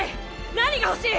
何が欲しい？